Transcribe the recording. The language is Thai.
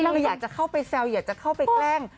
คืออยากจะเข้าไปแซวอยากจะเข้าไปแกล้ง